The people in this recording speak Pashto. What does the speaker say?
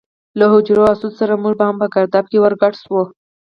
له حجر اسود سره موږ هم په ګرداب کې ور ګډ شو.